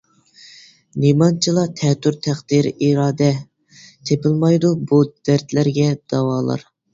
نېمانچىلا تەتۈر تەقدىر ئىرادە، تېپىلمايدۇ بۇ دەردلەرگە داۋالار.